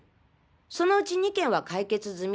そのうち２件は解決済み。